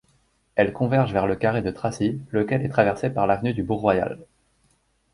Elles convergent vers le Carré de Tracy, lequel est traversé par l'Avenue du Bourg-Royal.